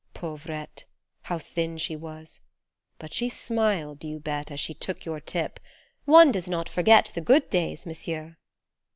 Pauvrette, How thin she was ; but she smiled, you bet, 16 As she took your tip " One does not forget The good days, Monsieur."